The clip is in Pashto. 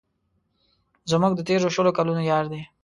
زموږ د تېرو شلو کلونو یار دی.